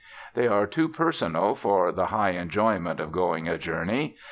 They are too personal for the high enjoyment of going a journey.